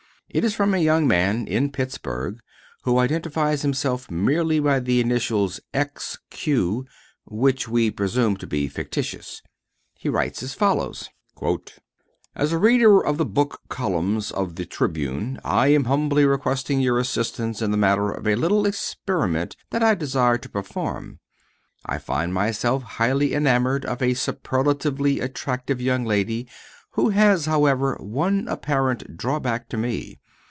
It is from a young man in Pittsburgh who identifies himself merely by the initials X. Q., which we presume to be fictitious. He writes as follows: "As a reader of the book columns of The Tribune I am humbly requesting your assistance in the matter of a little experiment that I desire to perform. I find myself highly enamored of a superlatively attractive young lady who has, however, one apparent drawback to me.